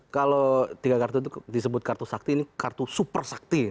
kalau tiga kartu itu disebut kartu sakti ini kartu super sakti